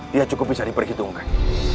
dia cukup bisa diperhitungkan